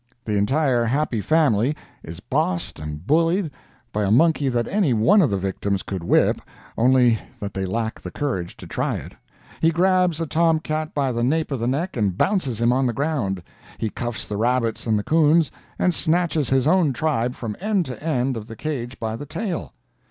The entire Happy Family is bossed and bullied by a monkey that any one of the victims could whip, only that they lack the courage to try it. He grabs a Tom cat by the nape of the neck and bounces him on the ground, he cuffs the rabbits and the coons, and snatches his own tribe from end to end of the cage by the tail.